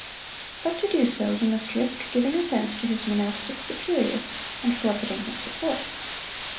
But to do so he must risk giving offense to his monastic superior, and forfeiting his support.